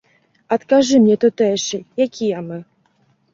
Адкажы мне, тутэйшы, якія мы?